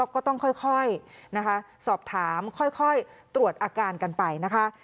ก็ต้องค่อยนะคะสอบถามค่อยตรวจอาการกันไปนะคะ